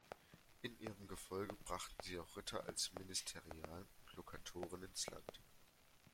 In ihrem Gefolge brachten sie auch Ritter als Ministerialen und Lokatoren ins Land.